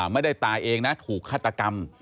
ไม่ได้ตายเองนะถูกฆาตกรรม